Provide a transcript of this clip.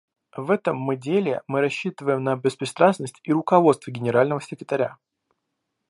В этом мы деле мы рассчитываем на беспристрастность и руководство Генерального секретаря.